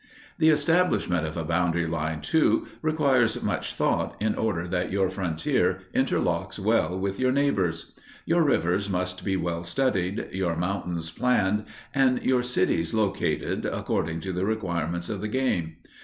The establishment of a boundary line, too, requires much thought in order that your frontier interlocks well with your neighbours'. Your rivers must be well studied, your mountains planned, and your cities located according to the requirements of the game.